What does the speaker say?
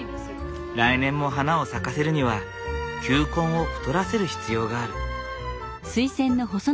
来年も花を咲かせるには球根を太らせる必要がある。